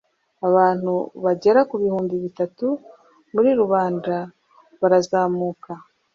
abantu bagera ku bihumbi bitatu muri rubanda barazamuka